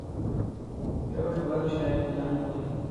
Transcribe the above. پیلوټ له بدو شرایطو ځان ژغوري.